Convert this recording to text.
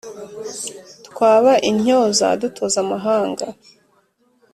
twaba intyoza dutoza amahanga